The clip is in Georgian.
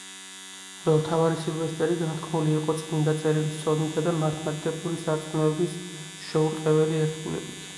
მღვდელმთავარი სილვესტერი განთქმული იყო წმინდა წერილის ცოდნითა და მართლმადიდებლური სარწმუნოების შეურყეველი ერთგულებით.